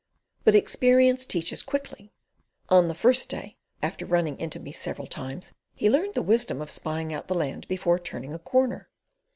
But experience teaches quickly. On the first day, after running into me several times, he learned the wisdom of spying out the land before turning a corner.